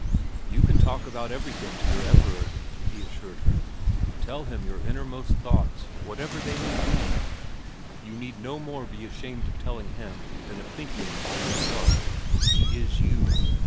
' You can talk about everything to your Everard,' he assured her. * Tell him your innermost thoughts, whatever they may be. You need no more be ashamed of telling him than of thinking them by yourself. He is you.